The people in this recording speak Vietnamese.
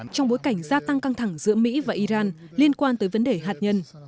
trong bối cảnh gia tăng căng thẳng giữa mỹ và iran liên quan tới vấn đề hạt nhân